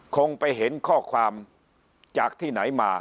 คงไปเห็นข้อความจากที่ไหนมา